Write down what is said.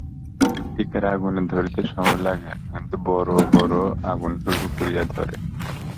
টিকার আগুন ধরিতে সময় লাগে কিন্তু বড়ো বড়ো আগুন হুহু করিয়া ধরে।